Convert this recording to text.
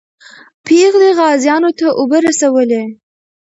پېغلې غازیانو ته اوبه رسولې.